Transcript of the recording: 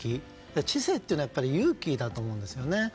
知性というのは勇気だと思うんです。